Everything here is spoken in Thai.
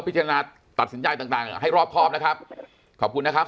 พิจารณาตัดสินใจต่างให้รอบครอบนะครับขอบคุณนะครับ